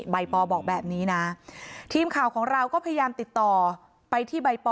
ปอบอกแบบนี้นะทีมข่าวของเราก็พยายามติดต่อไปที่ใบปอ